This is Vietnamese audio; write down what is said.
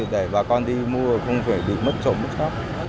để bà con đi mua không phải bị mất chỗ mất khắp